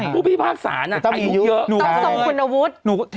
พวกพี่ภาคสารอายุเยอะต้องส่งเป็นอาวุธ